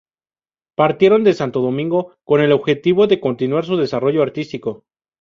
Partieron de Santo Domingo con el objetivo de continuar su desarrollo artístico.